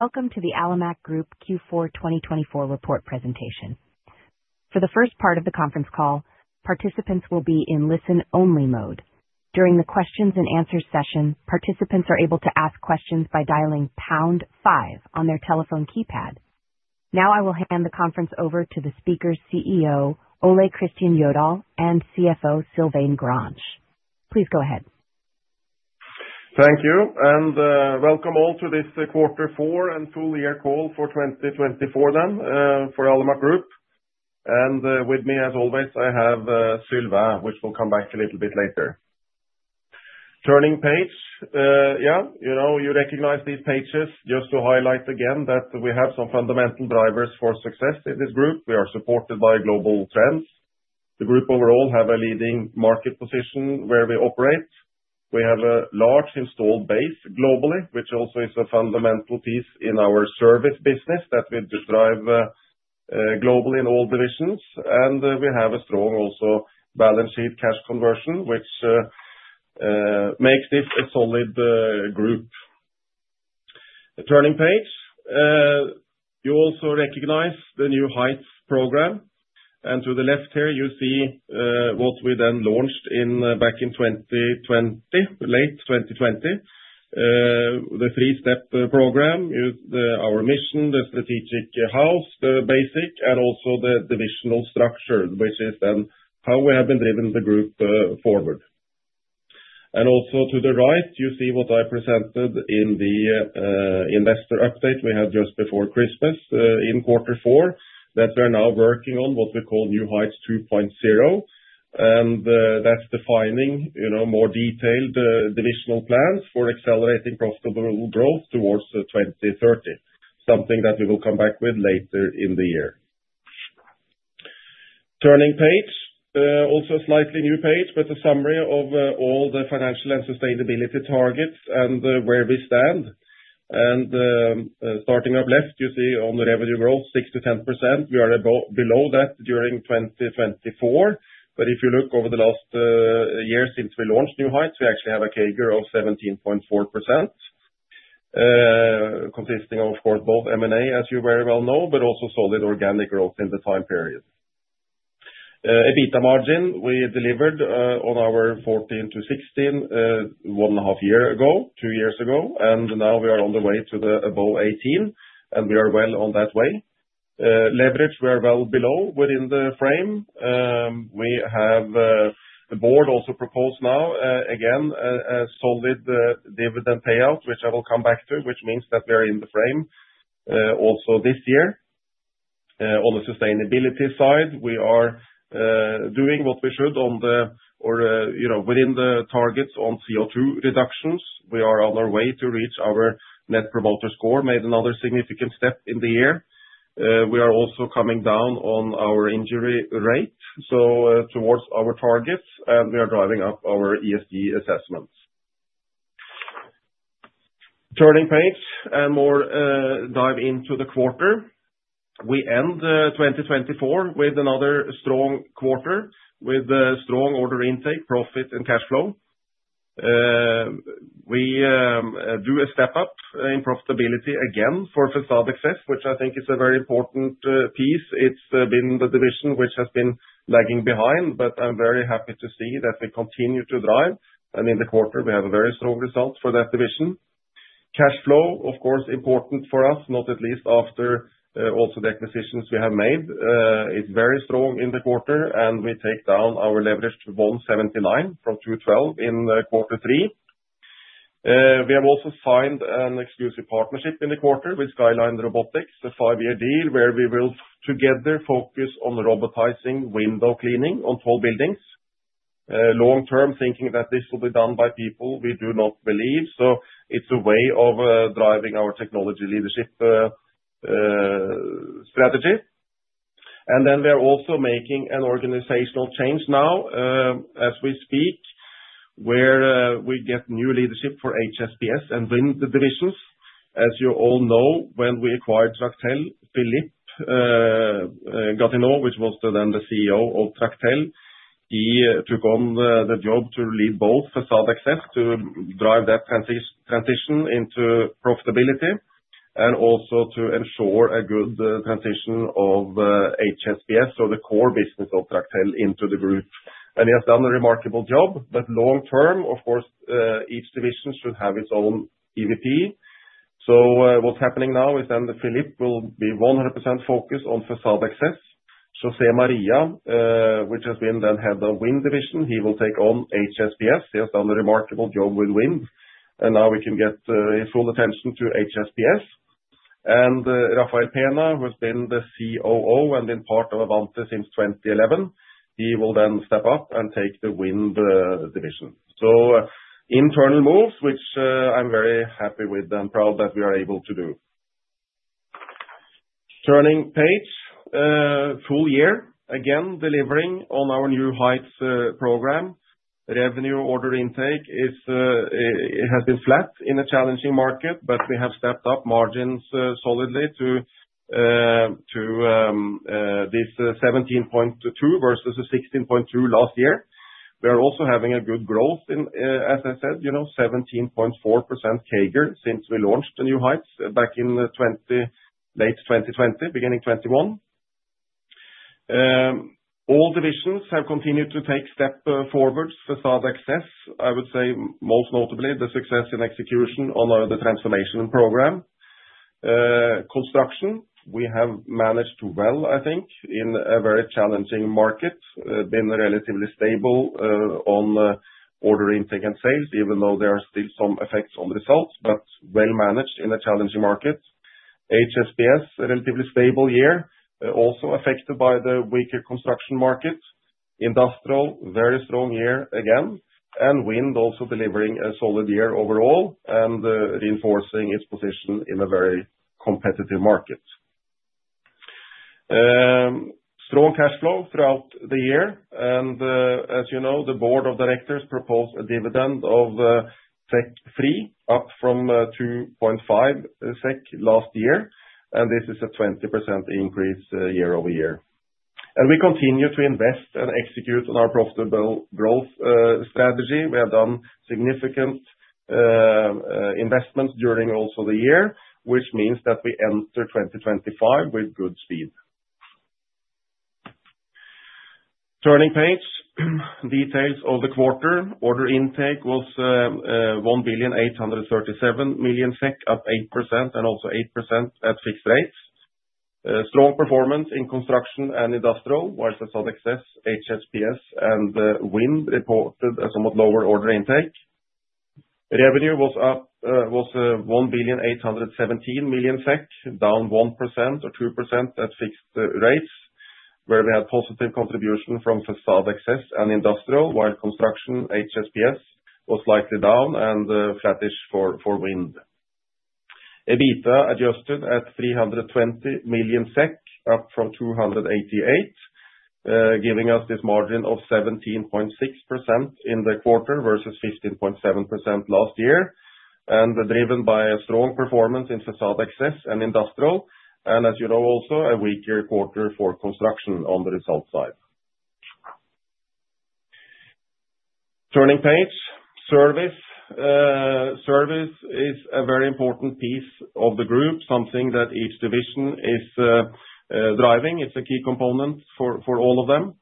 Welcome to the Alimak Group Q4 2024 report presentation. For the first part of the conference call, participants will be in listen only mode. During the questions and answers session, participants are able to ask questions by dialing 5 on their telephone keypad. Now I will hand the conference over to the speaker's CEO Ole Kristian Jødahl and CFO Sylvain Grange. Please go ahead. Thank you and welcome all to this quarter four and full year call for 2024. Then for Alimak Group and with me as always I have Sylvain which will come back a little bit later. Turning page, you know you recognize these pages just to highlight again that we have some fundamental drivers for success in this group. We are supported by global trends, the group overall have a leading market position where we operate. We have a large installed base globally which also is a fundamental piece in our service business that we drive globally in all divisions and we have a strong also balance sheet cash conversion which. Makes this a solid group. Turning the page, you also recognize the New Heights program, and to the left here you see what we then launched back in 2020, late 2020. The three-step program is our mission. The strategic house, the basics, and also the divisional structure, which is then how we have been driving the group forward. Also to the right you see what I presented in the investor update we had just before Christmas in quarter four: that we're now working on what we call New Heights 2.0, and that's defining more detailed divisional plans for accelerating profitable growth towards 2030, something that we will come back with later in the year. Turning page, also a slightly new page but a summary of all the financial and sustainability targets and where we stand. Starting upper left, you see on the revenue growth 6%-10%. We are below that during 2024, but if you look over the last year since we launched New Heights, we actually have a CAGR of 17.4%. Consisting of course both M&A, as you very well know, but also solid organic growth in the time period. EBITDA margin. We delivered on our 14%-16% one and a half years ago, two years ago, and now we are on the way to the above, and we are well on that way. Leverage. We are well below within the frame we have. The board also proposed now again a solid dividend payout, which I will come back to, which means that we are in the frame also this year. On the sustainability side, we are doing what we should on the, or you know, within the targets on CO2 reductions. We are on our way to reach our Net Promoter Score. Made another significant step in the year. We are also coming down on our injury rate. So towards our targets, we are driving up our ESG assessments. Turning the page and now dive into the quarter. We end 2024 with another strong quarter with strong order intake, profit and cash flow. We do a step up in profitability again for Facade Access, which I think is a very important piece. It's been the division which has been lagging behind. But I'm very happy to see that we continue to drive and in the quarter we have a very strong result for that division. Cash flow of course important for us, not least after also the acquisitions we have made is very strong in the quarter and we take down our leverage to 179 from 212 in quarter three. We have also signed an exclusive partnership in the quarter with Skyline Robotics. A five-year deal where we will together focus on robotizing window cleaning on tall buildings. Long-term thinking that this will be done by people, we do not believe, so it's a way of driving our technology leadership. Strategy. We are also making an organizational change now as we speak where we get new leadership for HSPS and Wind divisions. As you all know, when we acquired Tractel, Philippe, who was then the CEO of Tractel. He took on the job to lead both Facade Access to drive that transition into profitability and also to ensure a good transition of HSPS. So the core business of Tractel into the group. He has done a remarkable job. Long term, of course each division should have its own EVP. What is happening now is then Philippe will be 100% focused on Facade Access. José María, who has been the head of Wind division, he will take on HSPS. He has done a remarkable job with Wind and now we can get his full attention to HSPS. Rafael Peña, who has been the COO and been part of Avanti since 2011, he will then step up and take the Wind division. Internal moves, which I'm very happy with and proud that we are able to do. Turning page full year again, delivering on our New Heights program. Revenue order intake has been flat in a challenging market, but we have stepped up margins solidly to this 17.2% versus 16.2% last year. We are also having a good growth in, as I said, you know, 17.4% CAGR. Since we launched the New Heights back in late 2020, beginning 2021. All divisions have continued to take steps forward. Facade Access, I would say most notably the success in execution on the transformation program. Construction we have managed well, I think, in a very challenging market, been relatively stable on order intake and sales even though there are still some effects on results but well managed in a challenging market. HSPS relatively stable year also affected by the weaker construction market. Industrial very strong year again and Wind also delivering a solid year overall and reinforcing its position in a very competitive markets. Strong cash flow throughout the year and as you know the board of directors proposed a dividend of SEK 3 up from 2.5 SEK last year and this is a 20% increase year-over-year and we continue to invest and execute on our profitable growth strategy. We have done significant. Investments during the year also, which means that we enter 2025 with good speed. Turning to the details of the quarter, order intake was 1,837,000,000 SEK up 8% and also 8% at fixed rates. Strong performance in construction and Industrial while the Facade Access, HSPS, and Wind reported a somewhat lower order intake. Revenue was 1,817,000,000 SEK down 1% or 2% at fixed rates where we had positive contribution from Facade Access and Industrial while construction HSPS was slightly down and flattish for Wind. EBITDA adjusted at 320 million SEK up from 288 giving us this margin of 17.6% in the quarter versus 15.7% last year and driven by a strong performance in Facade Access and Industrial and as you know also a weaker quarter for construction on the result side. The service business is a very important piece of the group, something that each division is driving. It's a key component for all of them,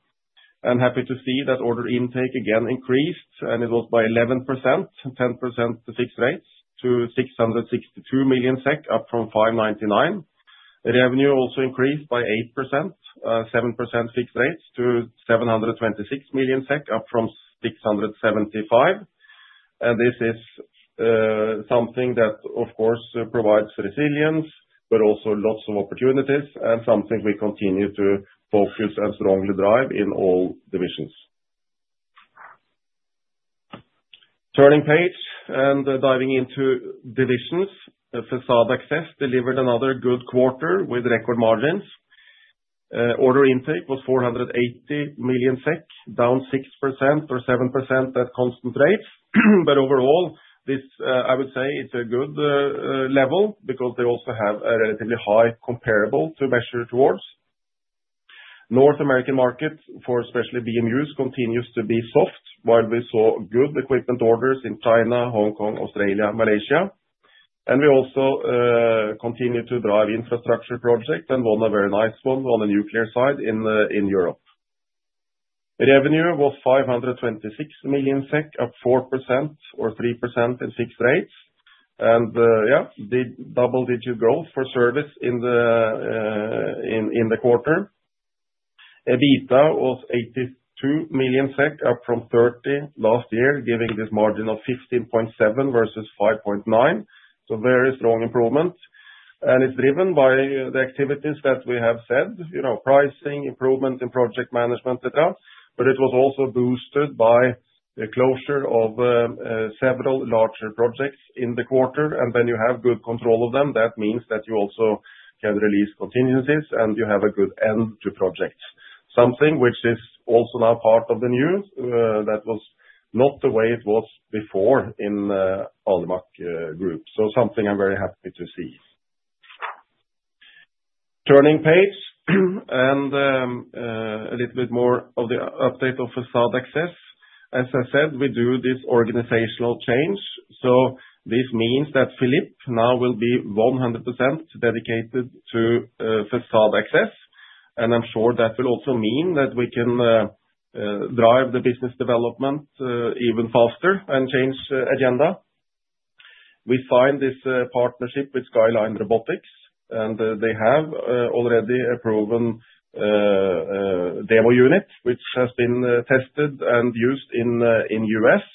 and I'm happy to see that order intake again increased, and it was by 11% (10% at fixed rates) to 662 million SEK up from 599 million. Revenue also increased by 8% (7% at fixed rates) to 726 million SEK up from 675 million, and this is something that of course provides resilience but also lots of opportunities and something we continue to focus and strongly drive in all divisions. Turning the page and diving into the divisions. Facade Access delivered another good quarter with record margins. Order intake was 480 million SEK, down 6% or 7% at constant rates. But overall this I would say it's a good level because they also have a relatively high comparable to measure towards. North American market for especially BMUs continues to be soft while we saw good equipment orders in China, Hong Kong, Australia, Malaysia and we also continue to drive infrastructure project and won a very nice one on the nuclear side in Europe. Revenue was 526 million SEK, up 4% or 3% in fixed rates. And yeah, double digit growth for service. In the quarter, EBITDA was 82 million SEK, up from 30 million last year, giving this margin of 15.7% versus 5.9%. So very strong improvement. And it's driven by the activities that we have said, you know, pricing, improvement in project management. But it was also boosted by the closure of several larger projects in the quarter. And when you have good control of them, that means that you also can release contingencies and you have a good end to projects. Something which is also now part of the news that was not the way it was before in Alimak Group. So something I'm very happy to see. Turning page and a little bit more of the update of Facade Access. As I said, we do this organizational change. So this means that Philippe now will be 100% dedicated to Facade Access. And I'm sure that will also mean that we can drive the business development even faster and change agenda. We signed this partnership with Skyline Robotics and they have already a proven. Demo unit which has been tested and used in the U.S..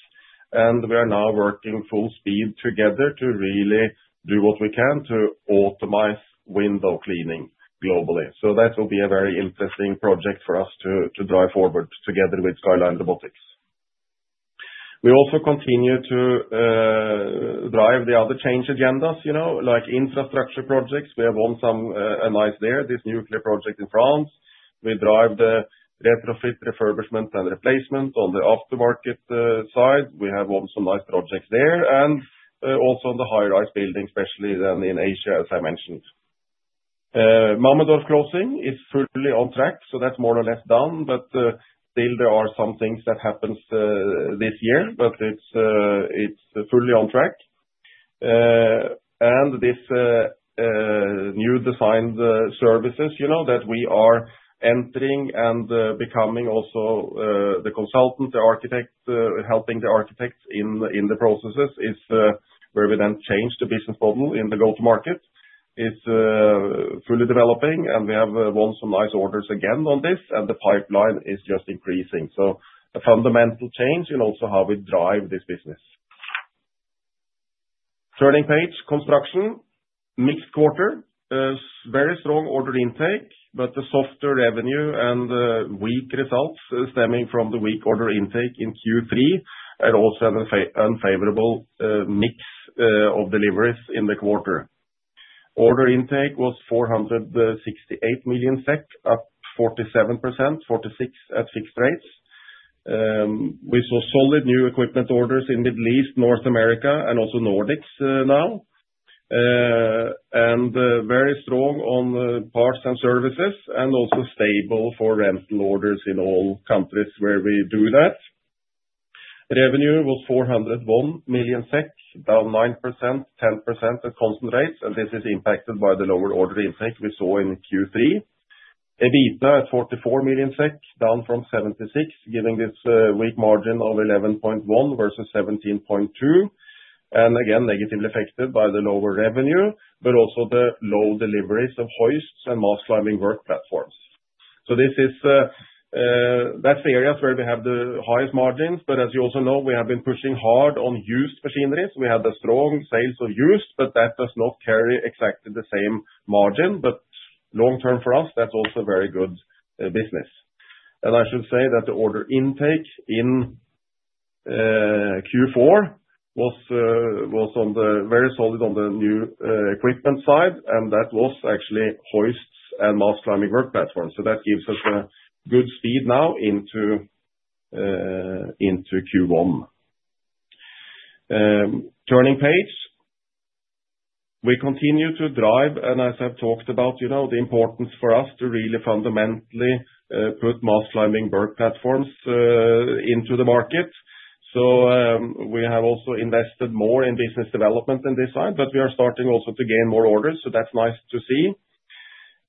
We are now working full speed together to really do what we can to optimize Window cleaning globally. That will be a very interesting project for us to drive forward. Together with Skyline Robotics, we also continue to drive the other change agendas, you know, like infrastructure projects. We have won some nice there. This nuclear project in France, we drive the retrofit refurbishment and replacement on the aftermarket side. We have also nice projects there. We also [have projects] on the high-rise buildings especially in Asia. As I mentioned, Mammendorf closing is fully on track. That's more or less down. Still there are some things that happens this year, but it's fully on track. And this new design services, you know, that we are entering and becoming also the consultant, the architect, helping the architects in the processes is where we then change the business model in the go to market. It's fully developing and we have won some nice orders again on this. And the pipeline is just increasing. So a fundamental change in also how we drive this business. Turning to Construction, mixed quarter, very strong order intake, but the softer revenue and weak results stemming from the weak order intake in Q3 and also unfavorable mix of deliveries in the quarter. Order intake was 468 million SEK up 47%, 46% at fixed rates. We saw solid new equipment orders in Middle East, North America and also Nordics now. Very strong on parts and services and also stable for rental orders in all countries where we do that. Revenue was 401 million SEK, down 9%-10% at constant rates. This is impacted by the lower order intake we saw in Q3. EBITDA at 44 million SEK, down from 76 million, giving this weak margin of 11.1% versus 17.2%, and again negatively affected by the lower revenue but also the low deliveries of hoists and mast climbing work platforms. That's the areas where we have the highest margins. As you also know we have been pushing hard on used machinery. We have the strong sales of used but that does not carry exactly the same margin. Long term for us that's also very good business. I should say that the order intake in. Q4 was very solid on the new equipment side and that was actually hoists and mast climbing work platforms. So that gives us good speed. Now into. Into Q1. Turning page, we continue to drive and, as I've talked about, you know, the importance for us to really fundamentally put mast climbing work platforms into the market. So we have also invested more in business development in this side, but we are starting also to gain more orders. So that's nice to see.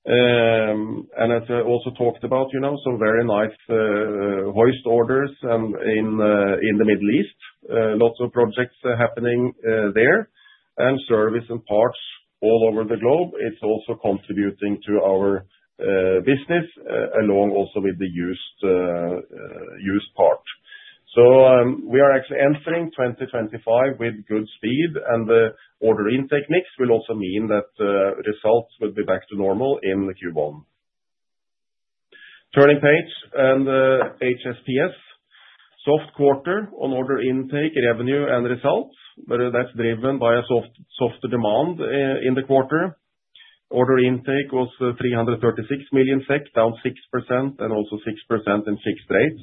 And as I also talked about, you know, some very nice hoist orders in the Middle East, lots of projects happening there and service and parts all over the globe. It's also contributing to our business along also with the used part. So we are actually entering 2025 with good speed. And the order intake mix will also mean that results will be back to normal in Q1. Turning page and HSPS soft quarter on order intake revenue and results whether that's driven by a softer demand. In the quarter order intake was 336 million SEK down 6% and also 6% in fixed rates.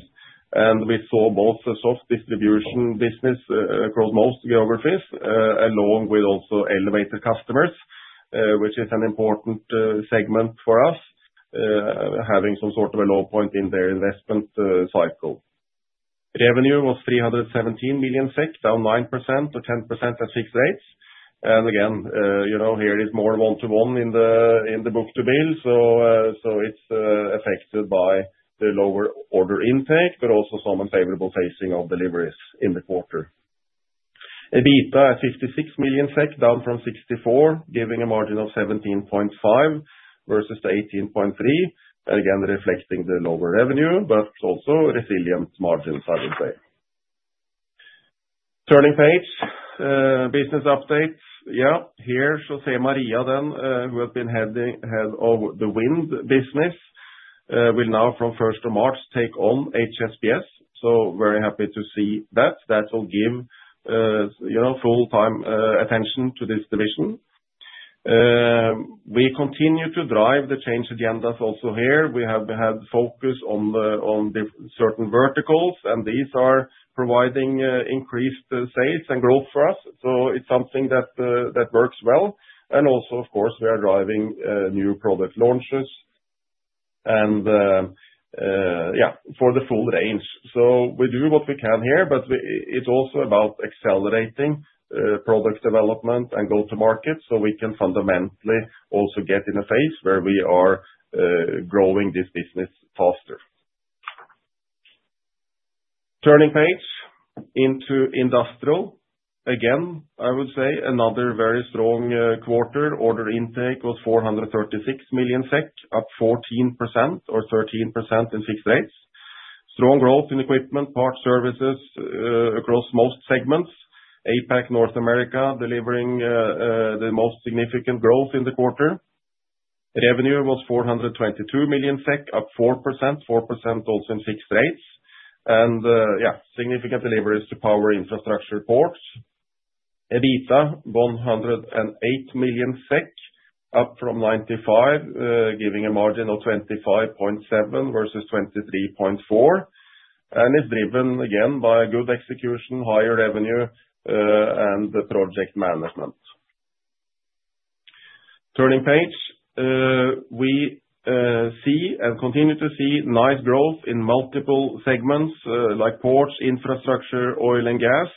And we saw both the soft distribution business across most geographies along with also elevated customers which is an important segment for us having some sort of a low point in their investment cycle. Revenue was 317 million SEK down 9%-10% at fixed rates. And again you know here is more one to one in the book to bill. So it's affected by the lower order intake but also some unfavorable phasing of deliveries in the quarter. EBITDA at 56 million SEK down from 64 giving a margin of 17.5% versus 18.3% again reflecting the lower revenue but also resilient margins I would say. Turning page business updates. Yeah, here José Maria, then, who has been head of the Wind business, will now from 1st of March take on HSPS. So very happy to see that that will give full time attention to this division. We continue to drive the change agendas. Also here we have had focus on certain verticals and these are providing increased sales and growth for us. So it's something that works well, and also of course we are driving new product launches and yeah for the full range. So we do what we can here, but it's also about accelerating product development and go to market so we can fundamentally also get in a phase where we are growing this business faster. Turning to the Industrial again, I would say another very strong quarter. Order intake was 436 million SEK, up 14% or 13% in fixed rates. Strong growth in equipment, parts, services across most segments. APAC, North America delivering the most significant growth in the quarter. Revenue was 422 million SEK, up 4%, 4% also in fixed rates, and yeah, significant deliveries to power infrastructure, ports. EBITDA 108 million SEK, up from 95, giving a margin of 25.7% versus 23.4%, and is driven again by good execution, higher revenue, and the project management. Turning page we see and continue to see nice growth in multiple segments like ports, infrastructure, oil and gas.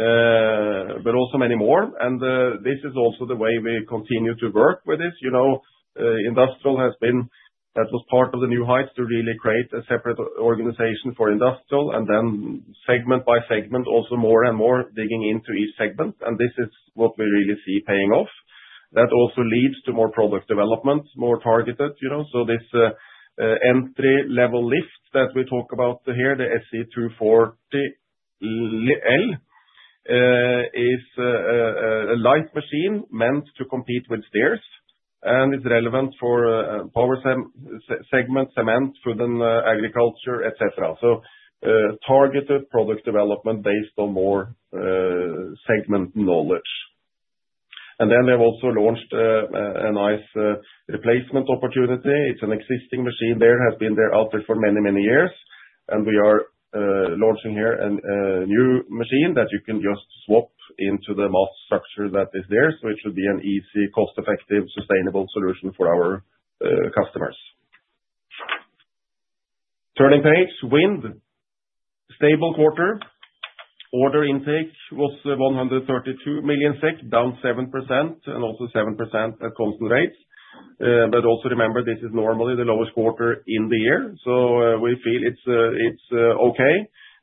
But also many more. And this is also the way we continue to work with this. You know, Industrial has been. That was part of the New Heights to really create a separate organization for Industrial and then segment by segment, also more and more digging into each segment and this is what we really see paying off. That also leads to more product development, more targeted, you know. So this entry level lift that we talk about here, the SE240L is a light machine meant to compete with stairs and it's relevant for power segment, cement, food and agriculture, etc. So targeted product development based on more segment knowledge. And then they've also launched a nice replacement opportunity. It's an existing machine there has been there out there for many many years and we are launching here a new machine that you can just swap into the mast structure that is there. So it should be an easy, cost effective, sustainable solution for our customers. Turning page. Wind stable quarter order intake was 132 million SEK, down 7% and also 7% at constant rates. But also remember this is normally the lowest quarter in the year so we feel it's okay.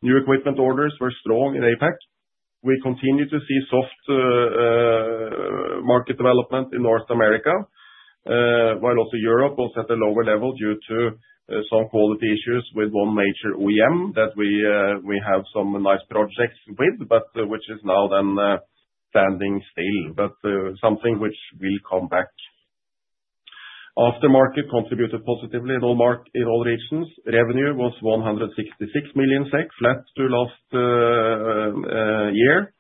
New equipment orders were strong in APAC. We continue to see soft. Market development in North America, while also in Europe, was at a lower level due to some quality issues with one major OEM that we have some nice projects with but which is now then standing still but something which will come back. Aftermarket contributed positively in all regions. Revenue was 166 million SEK, flat to last. Year,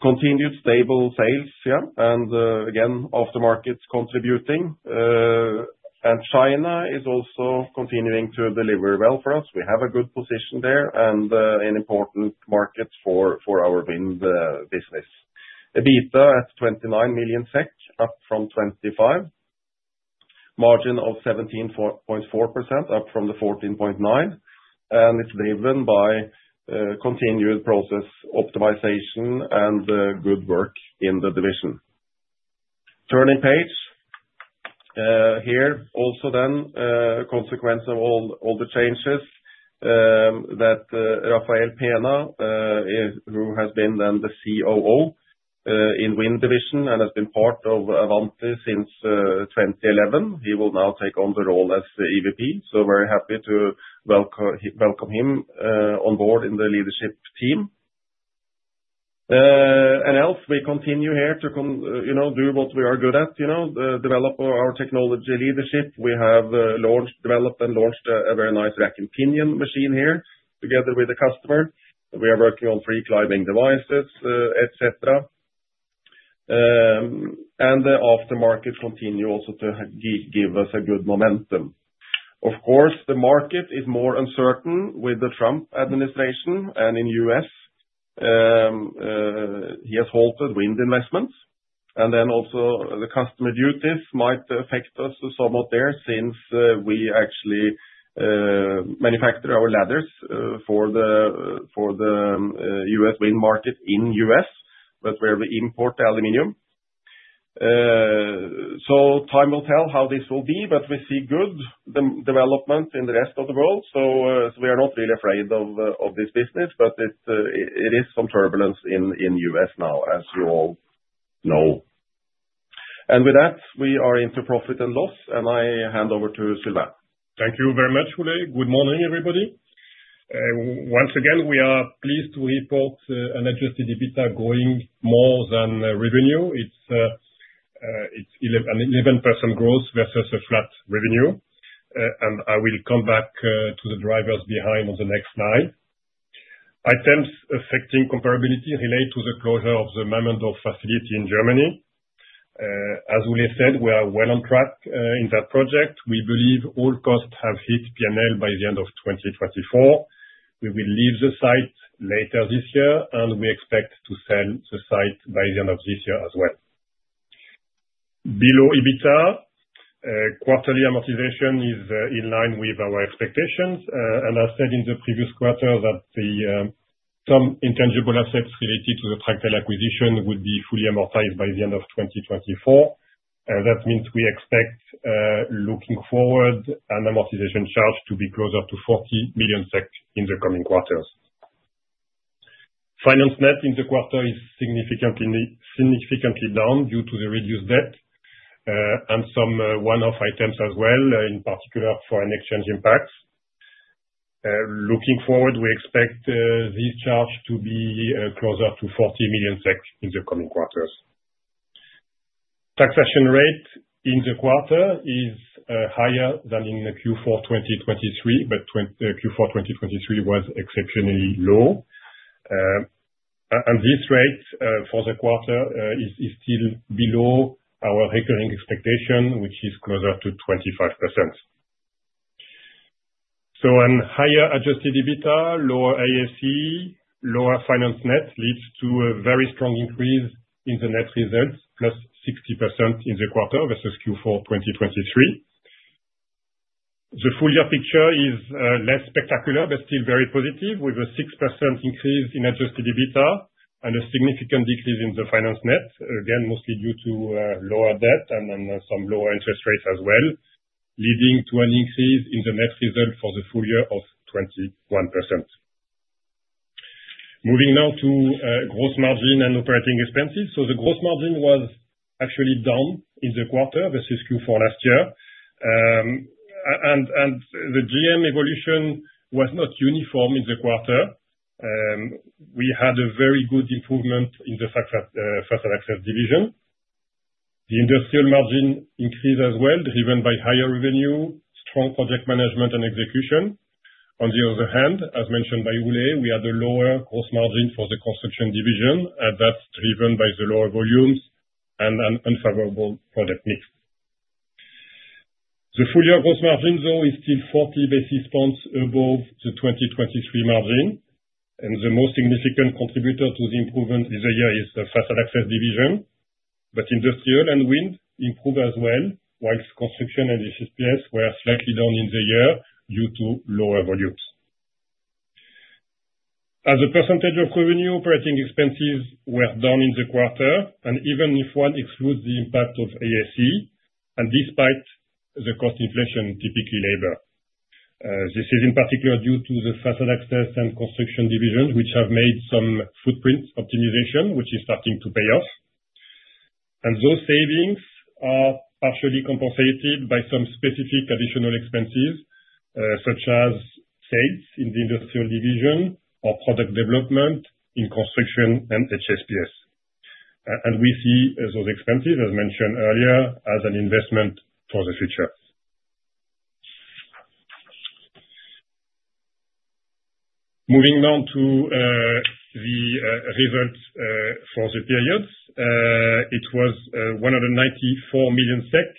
continued stable sales and again aftermarket contributing. And China is also continuing to deliver well for us. We have a good position there and an important market for our Wind business. EBITDA at 29 million SEK up from 25 million, margin of 17.4% up from the 14.9%. And it's driven by continued process optimization and good work in the division. Turning page. Here, also, the consequence of all the changes that Rafael Peña, who has been the COO in Wind division and has been part of Avanti since 2011. He will now take on the role as the EVP, so very happy to welcome him on board in the leadership team. Also, we continue here to do what we are good at, develop our technology leadership. We have developed and launched a very nice rack and pinion machine here together with the customer. We are working on free climbing devices, etc. The aftermarket continue also to give us a good momentum. Of course, the market is more uncertain with the Trump administration and in the U.S.. He has halted Wind investments, and then also the customs duties might affect us somewhat there since we actually manufacture our ladders for the US Wind market in U.S. but where we import aluminum. So time will tell how this will be. But we see good development in the rest of the world. So we are not really afraid of this business. But it is some turbulence in U.S. now as you all know. And with that we are into profit and loss. And I hand over to Sylvain. Thank you very much, Ole. Good morning, everybody. Once again we are pleased to report an adjusted EBITDA growing more than revenue. It's an 11% growth versus a flat revenue, and I will come back to the drivers behind on the next slide. Items affecting comparability relate to the closure of the Mammendorf facility in Germany. As Ole said, we are well on track in that project. We believe all costs have hit P&L by the end of 2024. We will leave the site later this year and we expect to sell the site by the end of this year as well. Below EBITDA quarterly amortization is in line with our expectations and I said in the previous quarter that some intangible assets related to the Tractel acquisition would be fully amortized by the end of 2024. That means we expect looking forward an amortization charge to be closer to 40 million SEK in the coming quarters. Finance net in the quarter is significantly down due to the reduced debt and some one-off items as well, in particular foreign exchange impacts. Looking forward, we expect this charge to be closer to 40 million in the coming quarters. Taxation rate in the quarter is higher than in Q4 2023, but Q4 2023 was exceptionally low. This rate for the quarter is still below our recurring expectation which is closer to 25%. A higher adjusted EBITDA, lower IAC, lower finance net leads to a very strong increase in the net result +60% in the quarter versus Q4 2023. The full year picture is less spectacular but still very positive with a 6% increase in adjusted EBITDA and a significant decrease in the finance net again mostly due to lower debt and some lower interest rates as well, leading to an increase in the net result for the full year of 21%. Moving now to gross margin and operating expenses, so the gross margin was actually down in the quarter versus Q4 last year. The GM evolution was not uniform in the quarter. We had a very good improvement in the Facade Access division. The Industrial margin increased as well, driven by higher revenue, strong project management and execution. On the other hand, as mentioned by Ole, we had a lower gross margin for the construction division and that's driven by the lower volumes and an unfavorable product mix. The full year gross margin though is still 40 basis points above the 2023 margin and the most significant contributor to the improvement this year is the Facade Access division, but Industrial and Wind improved as well. While Construction and HSPS were slightly down in the year due to lower volumes. As a percentage of revenue, operating expenses were down in the quarter and even if one excludes the impact of IAC and despite the cost inflation, typically labor. This is in particular due to the Facade Access and Construction divisions which have made some footprints optimization which is starting to pay off and those savings are partially compensated by some specific additional expenses such as sales in the Industrial division or product development in Construction and HSPS and we see those expenses as mentioned earlier as an investment for the future. Moving now to the result for the period. It was 194 million SEK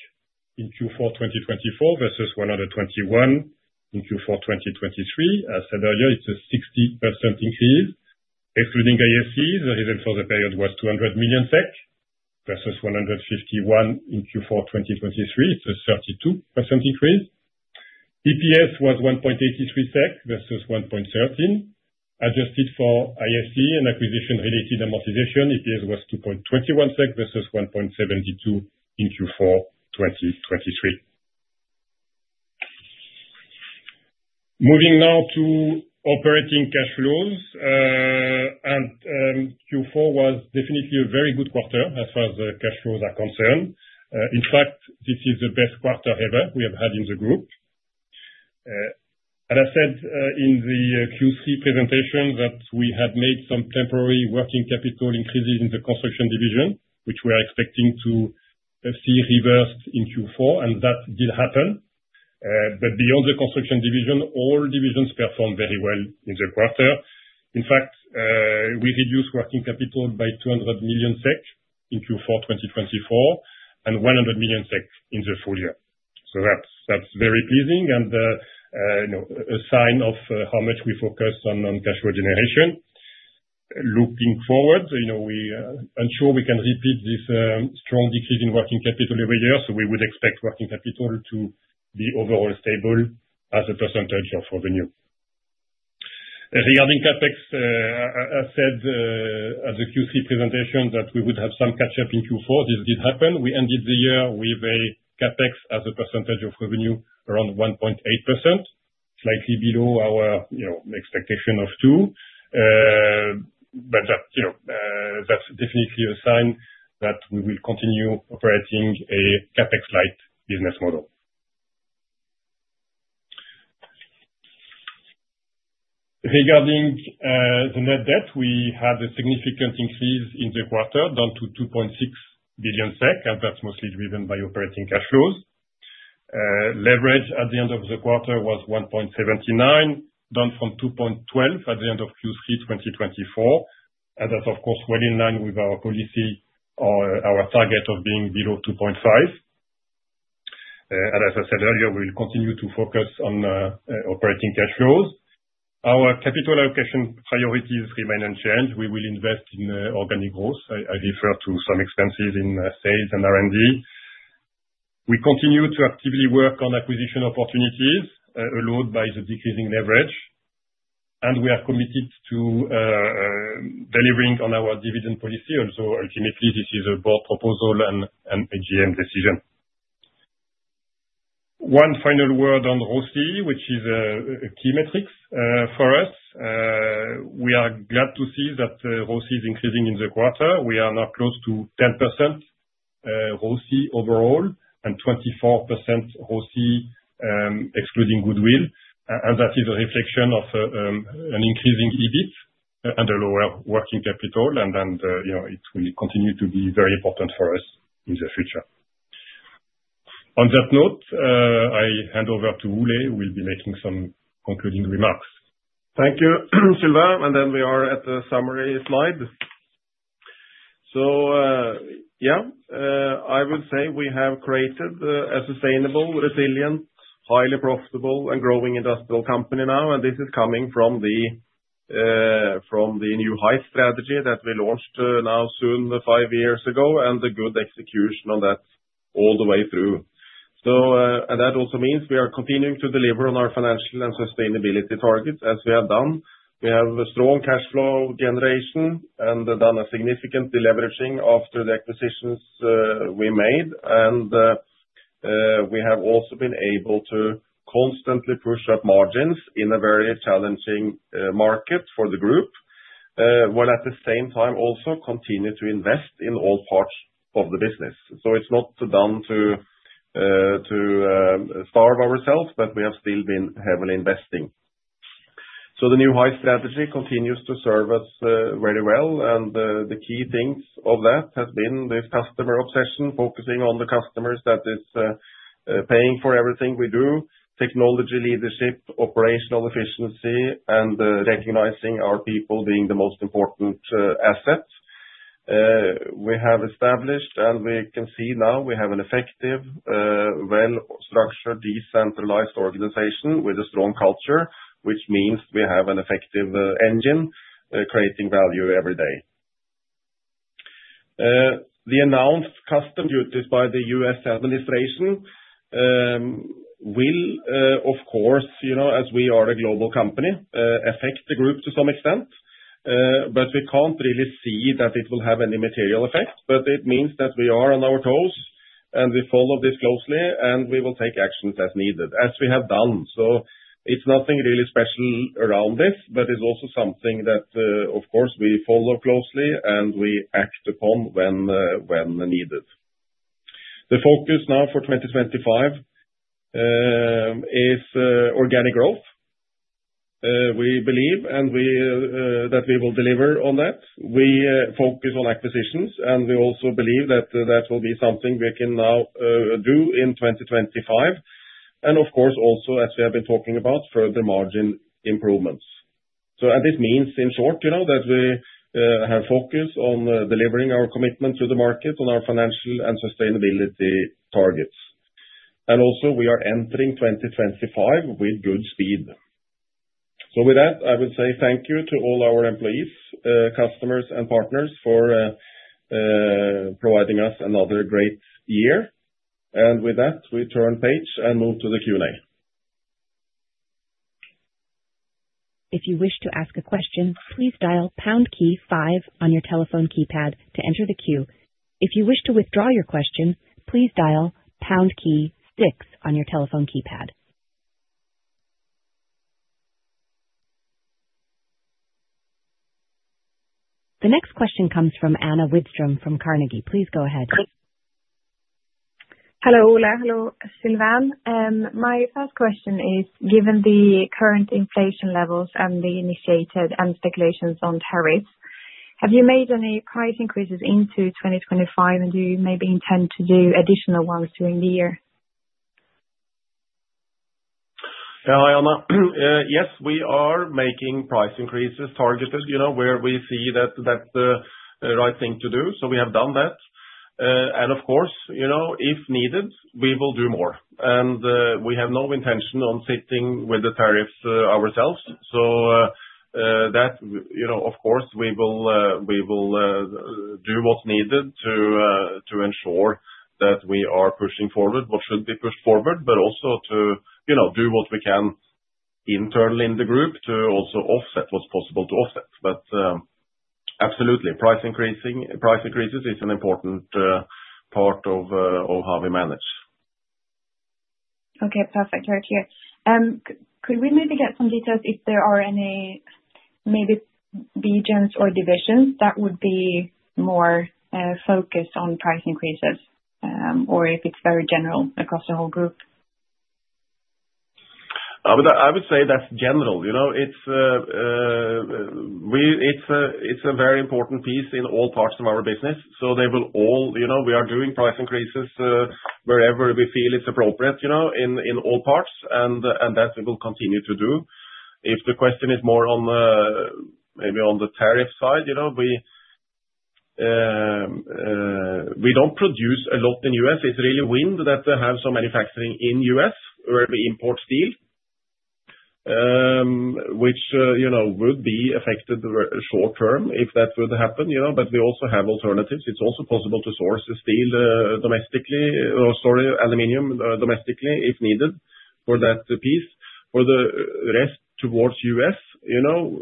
in Q4 2024 versus 121 in Q4 2023. As said earlier, it's a 60% increase excluding IAC. The revenue for the period was 200 million SEK versus 151 in Q4 2023. It's a 32. EPS was 1.83 SEK versus 1.13 adjusted for IAC and acquisition related amortization. EPS was 2.21 SEK versus 1.72 in Q4 2023. Moving now to operating cash flows and Q4 was definitely a very good quarter as far as the cash flows are concerned. In fact this is the best quarter ever we have had in the group. As I said in the Q3 presentation that we had made some temporary working capital increases in the Construction division which we are expecting to see reversed in Q4 and that did happen. But beyond the Construction division, all divisions performed very well in the quarter. In fact we reduced working capital by 200 million SEK in Q4 2024 and 100 million SEK in the full year. So that's very pleasing and a sign of how much we focus on cash flow generation looking forward. I'm sure we can repeat this strong decrease in working capital every year. So we would expect working capital to be overall stable as a percentage of revenue. Regarding CapEx, I said at the Q3 presentation that we would have some catch up in Q4. This did end the year with a CapEx as a percentage of revenue around 1.8%, slightly below our expectation of 2%. But that's definitely a sign that we will continue operating a CapEx light business model. Regarding the net debt, we had a significant increase in the quarter down to 2.6 billion SEK and that's mostly driven by operating cash flows. Leverage at the end of the quarter was 1.79 down from 2.12 at the end of Q3 2024 and that's of course well in line with our policy or our target of being below 2.5. As I said earlier, we will continue to focus on operating cash flows. Our capital allocation priorities remain unchanged. We will invest in organic growth. I refer to some expenses in sales and R&D. We continue to actively work on acquisition opportunities allowed by the decreasing leverage, and we are committed to delivering on our dividend policy, although ultimately this is a board proposal and AGM decision. One final word on ROCE, which is a key metric for us. We are glad to see that ROCE is increasing in the quarter. We are now close to 10% ROCE overall and 24% ROCE excluding goodwill, and that is a reflection of an increasing EBIT and a lower working capital and it will continue to be very. Important for us in the future. On that note, I hand over to Ole who will be making some concluding remarks. Thank you, Sylvain. And then we are at the summary slide. So yes, I would say we have created a sustainable, resilient, highly profitable and growing Industrial company now. And this is coming from. The New Heights strategy that we launched five years ago, and the good execution on that all the way through. That also means we are continuing to deliver on our financial and sustainability targets, as we have done. We have a strong cash flow generation and have done a significant deleveraging after the acquisitions we made. We have also been able to constantly push up margins in a very challenging market for the group, while at the same time also continue to invest in all parts of the business, so it's not done, too. Starve ourselves, but we have still been heavily investing. So the New Heights strategy continues to serve us very well. And the key things of that has been this customer obsession, focusing on the customers that is paying for everything we do. Technology, leadership, operational efficiency and recognizing our people being the most important assets we have established. And we can see now we have an effective, well-structured, decentralized organization with a strong culture, which means we have an effective engine creating value every day. The announced customs duties by the U.S. Administration. Well, of course, as we are a global company, affect the group to some extent. But we can't really see that it will have any material effect. But it means that we are on our toes and we follow this closely and we will take actions as needed, as we have done. It's nothing really special around this, but it's also something that of course we follow closely and we act upon when needed. The focus now for 2025. It's organic growth. We believe that we will deliver on that. We focus on acquisitions and we also believe that that will be something we can now do in 2025, and of course also as we have been talking about further margin improvements. This means, in short, you know, that we have focus on delivering our commitment to the market on our financial and sustainability targets, and also we are entering 2025 with good speed. With that I would say thank you to all our employees, customers and partners for. Providing us another great year, and with that we turn the page and move to the Q&A. If you wish to ask a question, please dial *5 on your telephone keypad to enter the queue. If you wish to withdraw your question, please dial *6 on your telephone keypad. The next question comes from Anna Widström from Carnegie. Please go ahead. Hello Ole. Hello Sylvain. My first question is, given the current inflation levels and the initiated and speculations on tariffs, have you made any price increases into 2025 and do you maybe intend to do additional ones during the? Hi Anna. Yes, we are making price increases targeted, you know, where we see that that's the right thing to do, so we have done that and of course, you know, if needed we will do more, and we have no intention on sitting with the tariffs ourselves, so that, you know, of course we will, we will do what's needed to ensure that we are pushing forward what should be pushed forward, but also to do what we can internally in the group to also offset what's possible to offset, but absolutely, price increases is an important part of how we manage. Okay, perfect. Right here. Could we maybe get some details if there are any maybe regions or divisions that would be more focus on price increases or if it's very general across the whole group? I would say that's general, you know. It's a very important piece in all parts of our business. So they will all, you know, we are doing price increases wherever we feel it's appropriate, you know, in all parts. And that we will continue to do. If the question is more on maybe on the tariff side, you know. We don't produce a lot in the U.S.. It's really the Wind that has some manufacturing in the U.S. where we import steel. Which, you know, would be affected short term if that would happen, you know, but we also have alternatives. It's also possible to source steel domestically or, sorry, aluminum domestically if needed for that piece. For the rest towards us, you know,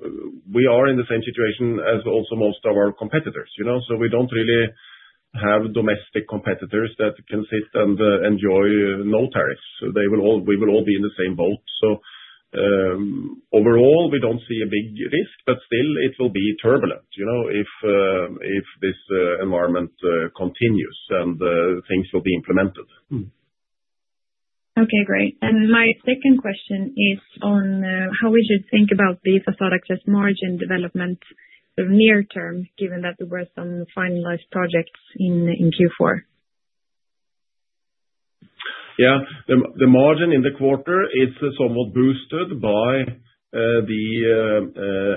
we are in the same situation as also most of our competitors, you know, so we don't really have domestic competitors that can sit and enjoy no tariffs. We will all be in the same boat. So overall we don't see a big risk. But still it will be turbulent, you know, if this environment continues and things will be implemented. Okay, great. And my second question is on how we should think about the Facade Access margin development near term, given that there were some finalized projects in Q4? Yes, the margin in the quarter is somewhat boosted by the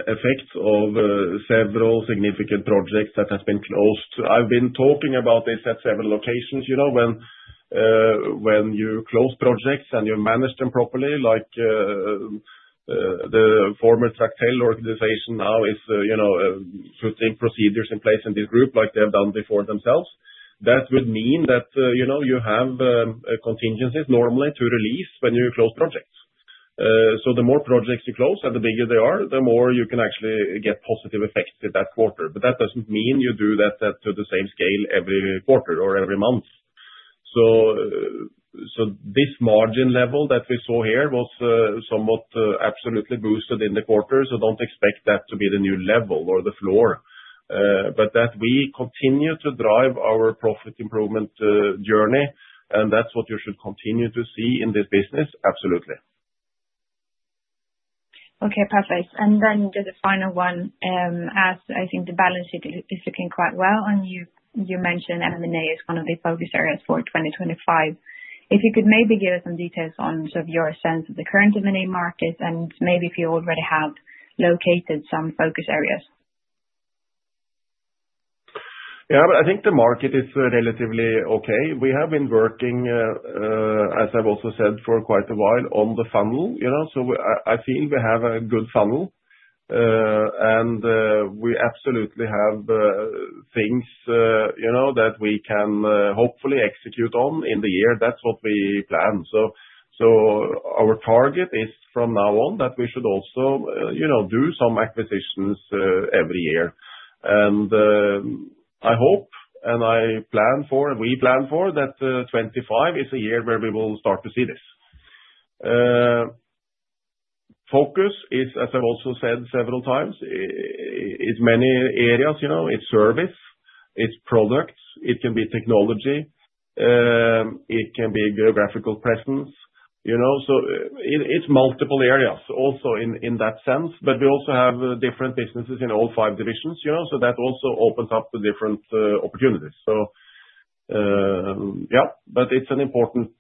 effects of several significant projects that has been closed. I've been talking about this at several locations. You know, when you close projects and you manage them properly, like. The former Tractel organization now is putting procedures in place in this group like they've done before themselves. That would mean that you have contingencies normally to release when you close projects. So the more projects you close and the bigger they are, the more you can actually get positive effects in that quarter. But that doesn't mean you do that to the same scale every quarter or every month. So. So this margin level that we saw here was somewhat absolutely boosted in the quarter. So don't expect that to be the new level or the floor, but that we continue to drive our profit improvement journey. And that's what you should continue to see in this business. Absolutely. Okay, perfect. And then just a final one, as I think the balance sheet is looking quite well. And you mentioned M&A is one of the focus areas for 2025. If you could maybe give us some details on your sense of the current M&A market and maybe if you already have located some focus areas. Yeah, I think the market is relatively okay. We have been working, as I've also said, for quite a while on the funnel, you know, so I feel we have a good funnel and we absolutely have things, you know, that we can hopefully execute on in the year. That's what we plan. So our target is from now on that we should also, you know, do some acquisitions every year. And I hope and I plan for, we plan for that. 2025 is a year where we will start to see this. Focus is, as I've also said several times, it's many areas. You know, it's service, its products, it can be technology. It can be geographical presence, you know, so it's multiple areas also in that sense. But we also have different businesses in all five divisions. So that also opens up the different opportunities. But it's an important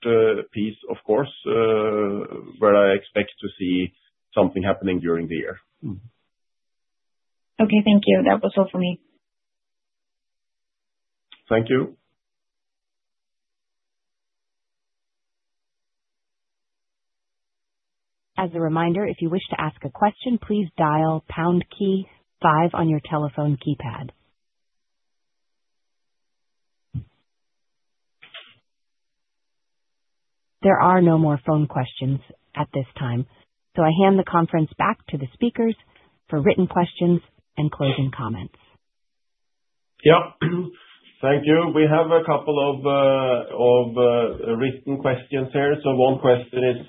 piece, of course, where I expect to see something happening during the year. Okay, thank you. That was all for me. Thank you. As a reminder, if you wish to ask a question, please dial Pound key five on your telephone keypad. There are no more phone questions at this time, so I hand the conference back to the speakers for written questions and closing comments. Yes, thank you. We have a couple of. Written questions here. So one question is,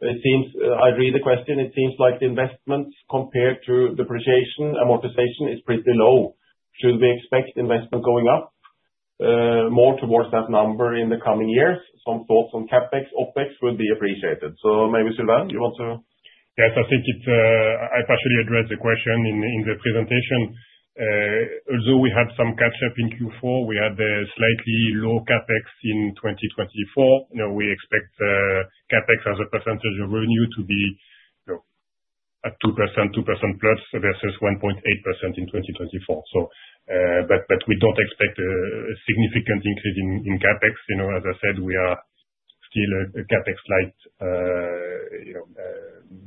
it seems, I read the question. It seems like the investments compared to depreciation, amortization is pretty low. Should we expect investment going up more towards that number in the coming years? Some thoughts on CapEx OpEx would be appreciated. So maybe Sylvain, you want to? Yes, I think it's. I partially addressed the question in the presentation. Although we had some catch up in Q4, we had slightly low CapEx in 2024. We expect CapEx as a percentage of revenue to be at 2%, 2%+ versus 1.8% in 2024. But we don't expect a significant increase in CapEx. As I said, we are still a CapEx light.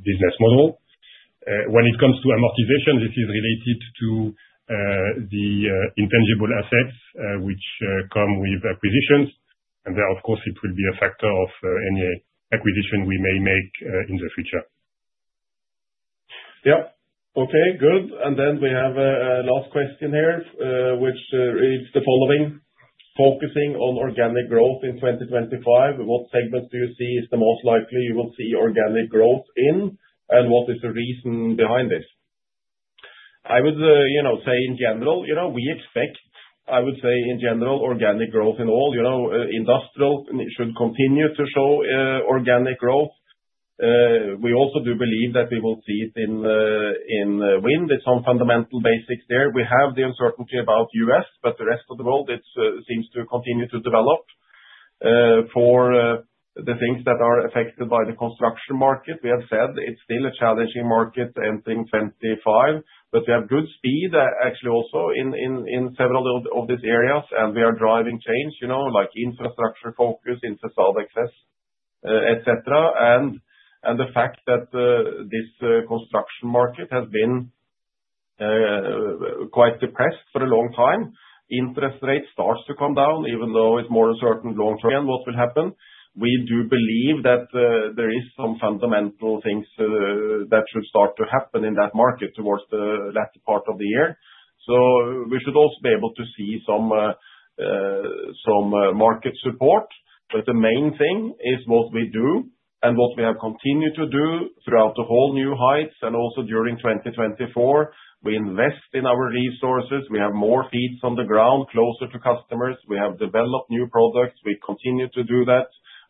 Business model when it comes to amortization. This is related to the intangible assets which come with acquisitions and therefore, of course, it will be a factor of any acquisition we may make in the future. Yeah. Okay, good. Then we have a last question here which reads the following. Focusing on organic growth in 2025. What segments do you see is the most likely you will see organic growth in and what is the reason behind this? I would say in general, we expect. I would say in general organic growth in all Industrial should continue to show organic growth. We also do believe that we will see it in Wind. It's on fundamental basis there we have the uncertainty about U.S., but the rest of the world seems to continue to develop for the things that are affected by the Construction market. We have said it's still a challenging market entering 2025, but we have good speed actually also in several of these areas and we are driving change like infrastructure focus in the Facade Access etc. And the fact that this Construction market has been. Quite depressed for a long time. Interest rate starts to come down even though it's more uncertain long term what will happen? We do believe that there is some fundamental things that should start to happen in that market towards the latter part of the year. So we should also be able to see some. Market support, but the main thing is what we do and what we have continued to do throughout the whole New Heights and also during 2024. We invest in our resources. We have more feet on the ground, closer to customers. We have develop new products. We continue to do that.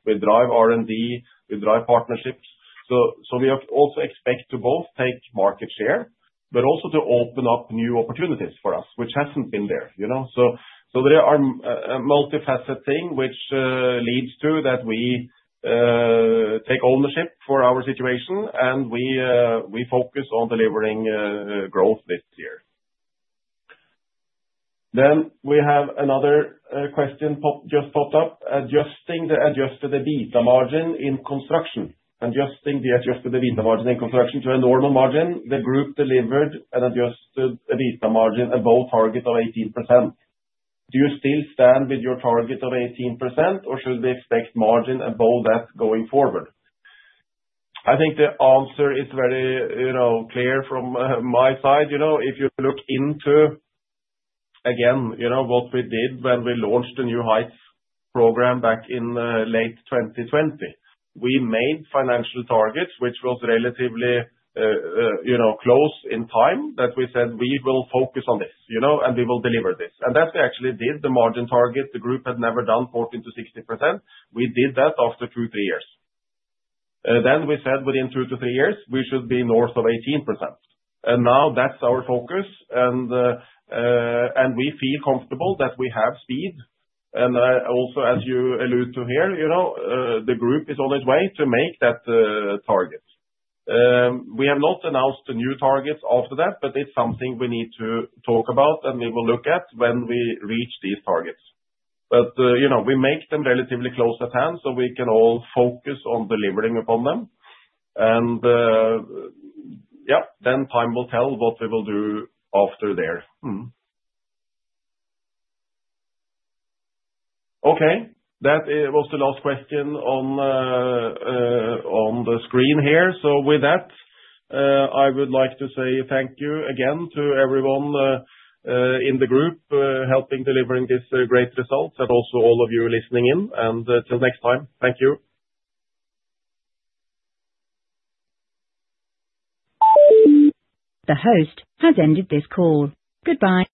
We drive R&D. We drive partnerships. So we also expect to both take market share but also to open up new opportunities for us which hasn't been there. So there are multifaceted thing which leads to that we take ownership for our situation and we focus on delivering growth this year. Then we have another question just popped up. Adjusting the adjusted EBITDA margin in construction to a normal margin. The group delivered an adjusted EBITDA margin above target of 18%. Do you still stand with your target of 18% or should we expect margin above that going forward? I think the answer is very clear from my side. If you look into. Again, you know what we did when we launched the New Heights program back in late 2020. We made financial targets which was relatively close in time that we said we will focus on this and we will deliver this and that. We actually did the margin target. The group had never done 14.6%. We did that after two, three years. Then we said within two to three years we should be north of 18%. And now that's our focus. We feel comfortable that we have speed and also, as you allude to here, the group is on its way to make that target. We have not announced new targets after that, but it's something we need to talk about and we will look at when we reach these targets, but we make them relatively close at hand so we can all focus on delivering upon them. Yeah, then time will tell what we will do after there. Okay, that was the last question. On the screen here. So with that, I would like to say thank you again to everyone in the group helping delivering this great result and also all of you listening in. And till next time, thank you. The host has ended this call. Goodbye.